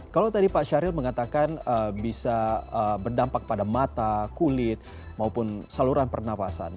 kalau tadi pak syahril mengatakan bisa berdampak pada mata kulit maupun saluran pernafasan